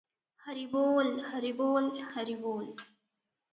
ହରିବୋଲ ହରିବୋଲ ହରିବୋଲ ।